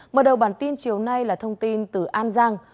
mở đầu bản tin chiều nay là thông tin từ an giang